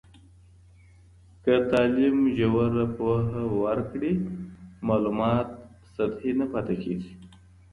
که تعلیم ژوره پوهه ورکړي، معلومات سطحي نه پاته کېږي.